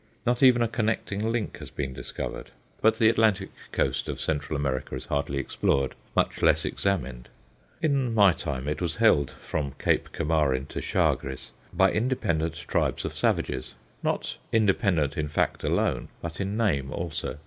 Not even a connecting link has been discovered; but the Atlantic coast of Central America is hardly explored, much less examined. In my time it was held, from Cape Camarin to Chagres, by independent tribes of savages not independent in fact alone, but in name also.